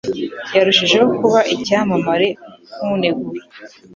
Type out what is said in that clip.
Yarushijeho kuba icyamamare nkunegura.